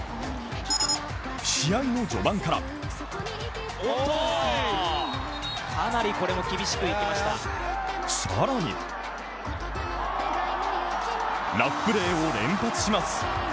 試合の序盤から更にラフプレーを連発します。